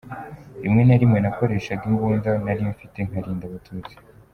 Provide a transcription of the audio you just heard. Rimwe na rimwe nakoreshaga imbunda nari mfite nkarinda Abatutsi.